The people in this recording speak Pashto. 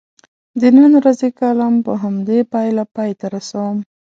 د نن ورځې کالم په همدې پایله پای ته رسوم.